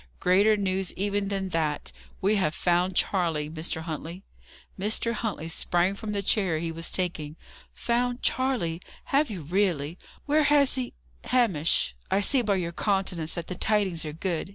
Greater news even than that. We have found Charley, Mr. Huntley." Mr. Huntley sprang from the chair he was taking. "Found Charley! Have you really? Where has he Hamish, I see by your countenance that the tidings are good.